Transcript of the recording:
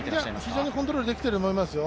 非常にこんとろーるできていると思いますよ。